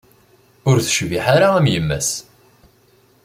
Ur tecbiḥ ara am yemma-s.